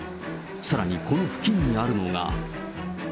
さらにこの付近にあるのが。